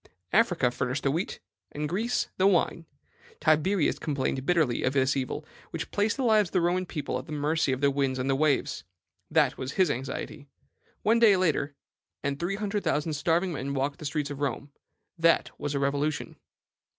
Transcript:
Africa furnished the wheat, and Greece the wine. Tiberius complained bitterly of this evil, which placed the lives of the Roman people at the mercy of the winds and waves: that was his anxiety. One day later, and three hundred thousand starving men walked the streets of Rome: that was a revolution.